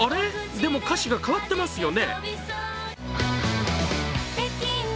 でも歌詞が変わってますよね？